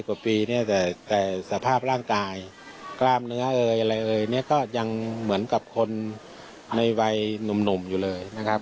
กว่าปีเนี่ยแต่สภาพร่างกายกล้ามเนื้อเอ่ยอะไรเอ่ยเนี่ยก็ยังเหมือนกับคนในวัยหนุ่มอยู่เลยนะครับ